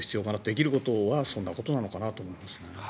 できることはそんなことなのかなと思います。